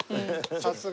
さすが。